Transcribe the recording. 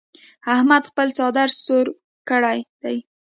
احمد خپل څادر سور کړ دی.